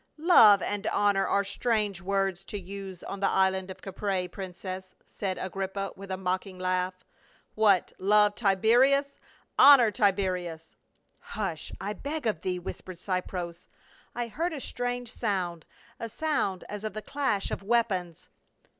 " Love and honor are strange words to use on the island of Caprae, princess," said Agrippa, with a mocking laugh. "What, love Tiberius! honor Tiberius !"" Hush — I beg of thee," whispered Cypros. " I heard a strange sound, a sound as of the clash of weapons."